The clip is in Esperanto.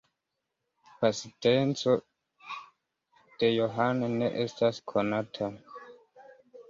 Pasinteco de Johan ne estas konata.